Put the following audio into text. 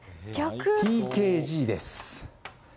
ＴＫＧです。